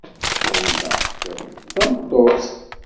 Ɣileɣ-t d tameṭṭut.